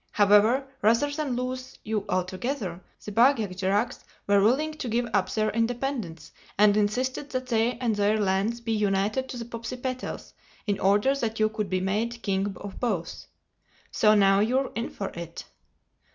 However, rather than lose you altogether, the Bag jagderags were willing to give up their independence, and insisted that they and their lands be united to the Popsipetels in order that you could be made king of both. So now you're in for it."